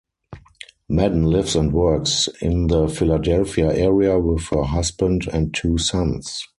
Madden lives and works in the Philadelphia area with her husband and two sons.